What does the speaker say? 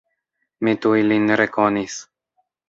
Mi tuj lin rekonis.